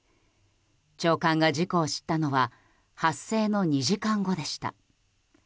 長官が事故を知ったのは発生の２時間後でした。